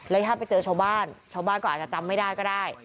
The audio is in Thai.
แล้วถ้าไปเจอชาวบ้านชาวบ้านก็อาจจะจำไม่ได้ก็ได้